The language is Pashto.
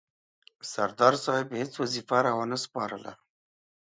سردار صاحب هیڅ وظیفه را ونه سپارله.